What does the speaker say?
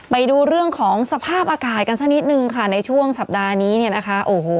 ไปดูเรื่องของสภาพอากาศกันสักนิดนึงค่ะในช่วงสัปดาห์นี้เนี่ยนะคะโอ้โห